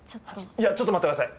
あのちょっと待ってください